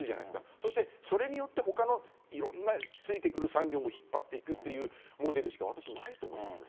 そしてそれによって、ほかのいろんなついてくる産業も引っ張っていくというモデルしか、私ないと思いますね。